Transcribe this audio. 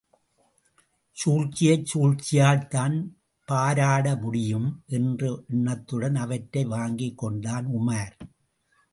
சூழ்ச்சியைச் சூழ்ச்சியால்தான் பாராட முடியும் என்ற எண்ணத்துடன் அவற்றை வாங்கிக் கொண்டான் உமார்.